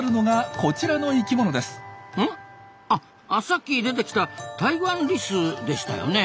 あさっき出てきたタイワンリスでしたよね。